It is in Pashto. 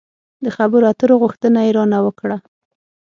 د خبرو اترو غوښتنه يې را نه وکړه.